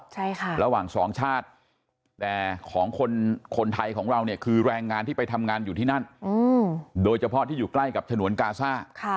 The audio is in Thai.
ใช่ค่ะระหว่างสองชาติแต่ของคนคนไทยของเราเนี่ยคือแรงงานที่ไปทำงานอยู่ที่นั่นโดยเฉพาะที่อยู่ใกล้กับฉนวนกาซ่า